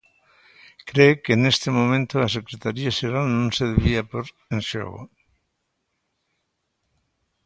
Cre que neste momento a secretaría xeral non se debía pór en xogo.